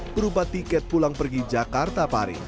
berupa tiket pulang pergi jakarta pari